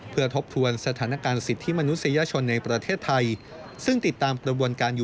เพื่อทบทวนสถานการณ์สิทธิมนุษยชนในประเทศไทย